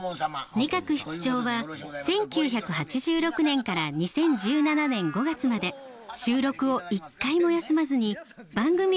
仁鶴室長は１９８６年から２０１７年５月まで収録を一回も休まずに番組への出演を続けました。